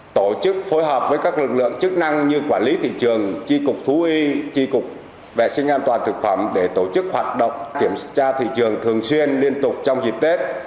tổ chức phối hợp với các lực lượng chức năng như quản lý thị trường chi cục thú y tri cục vệ sinh an toàn thực phẩm để tổ chức hoạt động kiểm tra thị trường thường xuyên liên tục trong dịp tết